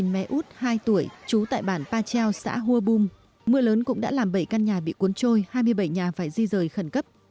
mưa lớn cũng đã làm bảy căn nhà bị cuốn trôi hai mươi bảy nhà phải di rời khẩn cấp